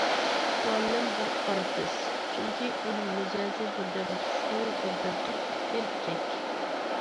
مۇئەللىم بىر ئارتىس، چۈنكى ئۇنىڭ مىجەزى بىردەم خۇشخۇي بىردەم قاتتىق تېرىككەك.